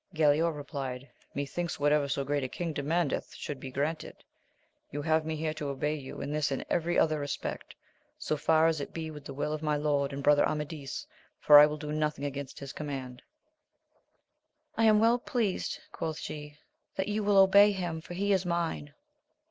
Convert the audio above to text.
Galaor replied, 'fethinks whatevet so gc^2A»^Vm^^«tM)jcLda^\s.%^ AMADIS OF GAUL 167 be granted : you have me here to obey you in this and every other respect, so far as it be with the will of my lord and brother Amadis, for I will do nothing against his command. I am well pleased, quoth she, that you will obey him, for he is mine.